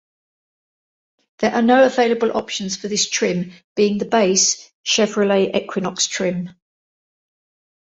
There are no available options for this trim, being the "base" Chevrolet Equinox trim.